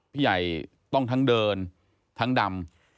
พี่ใหญ่ต้องทั้งเดินทั้งดำ